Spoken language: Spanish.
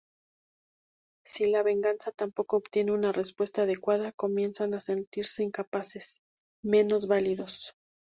Si la venganza tampoco obtiene una respuesta adecuada, comienzan a sentirse incapaces, menos válidos.